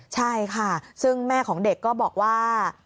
ใช่ค่ะซึ่งแม่ของเด็กก็บอกว่า